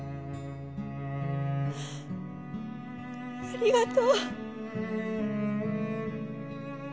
ありがとう。